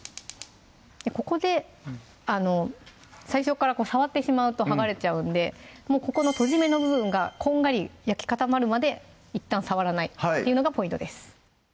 ここで最初から触ってしまうと剥がれちゃうんでもうここのとじ目の部分がこんがり焼き固まるまでいったん触らないっていうのがポイントです